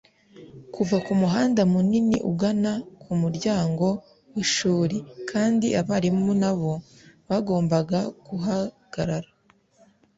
kuva kumuhanda munini ugana kumuryango wishuri. kandi abarimu nabo bagombaga guhagarara